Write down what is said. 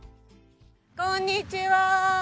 こんにちは。